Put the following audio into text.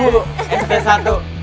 dulu eh sudah satu